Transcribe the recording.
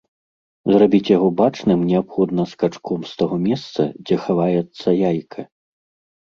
Зрабіць яго бачным неабходна скачком з таго месца, дзе хаваецца яйка.